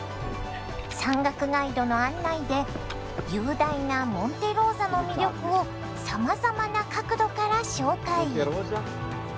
山岳ガイドの案内で雄大なモンテローザの魅力をさまざまな角度から紹介！